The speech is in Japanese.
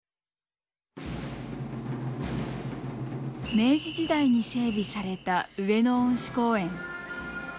明治時代に整備された上野恩賜公園。